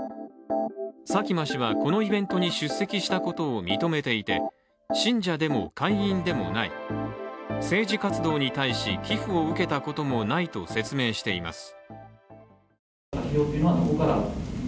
佐喜眞氏はこのイベントに出席したことを認めていて信者でも会員でもない、政治活動に対し寄付を受けたこともないと説明しています。